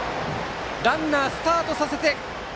ランナー、スタートさせて。